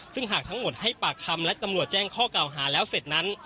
ซึ่งหากทั้งหมดให้ปากคำและตำรวจแจ้งข้อเก่าหาแล้วเสร็จนั้น